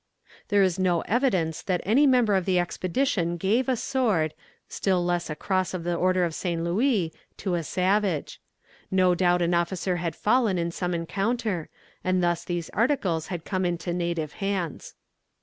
There is no evidence that any member of the expedition gave a sword, still less a cross of the order of St. Louis, to a savage. No doubt an officer had fallen in some encounter, and thus these articles had come into native hands.